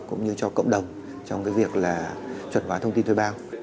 cũng như cho cộng đồng trong cái việc là chuẩn hóa thông tin thuê bao